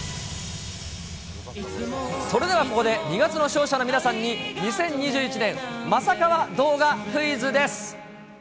それではここで、二月の勝者の皆さんに２０２１年、まさカワ動画クイズです。